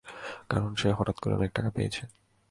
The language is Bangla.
কারণ সে হঠাৎ করে অনেক টাকা পেয়েছে।